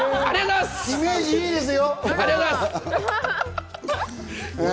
イメージいいですよ。